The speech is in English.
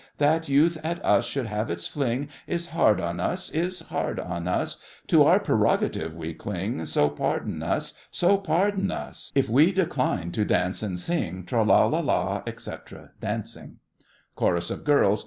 That youth at us should have its fling, Is hard on us, Is hard on us; To our prerogative we cling— So pardon us, So pardon us, If we decline to dance and sing. Tra la la, etc. (Dancing.) CHORUS OF GIRLS..